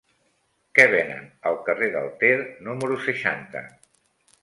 Què venen al carrer del Ter número seixanta?